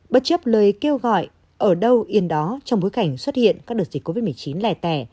bất chấp lời kêu gọi ở đâu yên đó trong bối cảnh xuất hiện các đợt dịch covid một mươi chín lẻ tẻ